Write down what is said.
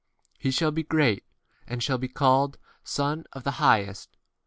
He should be great, and should be called the Son of the Highest.